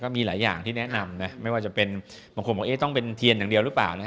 มีหลายอย่างที่แนะนำนะไม่ว่าจะเป็นบางคนบอกต้องเป็นเทียนอย่างเดียวหรือเปล่านะ